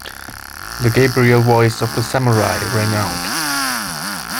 The Gabriel voice of the Samurai rang out.